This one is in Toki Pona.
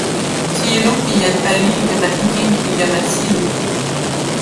sijelo pi jan pali li kama ike, li kama seli.